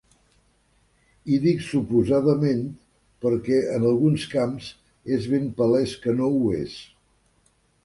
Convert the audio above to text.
I dic ‘suposadament’, perquè en alguns camps és ben palès que no ho és.